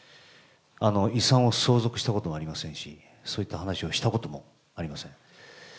遺産を相続したこともありませんし、そういった話をしたこともありません。